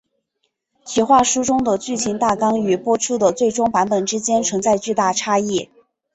企划书中的剧情大纲与播出的最终版本之间存在巨大差异。